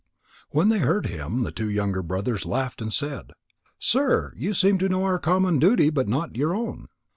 When they heard him, the two younger brothers laughed and said: "Sir, you seem to know our common duty, but not your own."